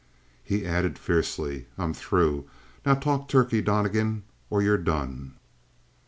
He added fiercely: "I'm through. Now, talk turkey, Donnegan, or you're done!"